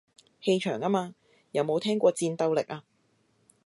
氣場吖嘛，有冇聽過戰鬥力啊